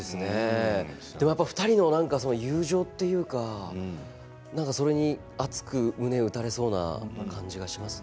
でも２人の友情というかそれにあつく胸を打たれそうな感じがしますね。